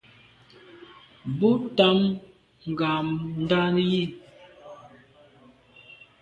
Bo tam ngàmndà yi.